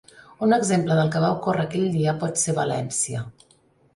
Un exemple del que va ocórrer aquell dia pot ser València.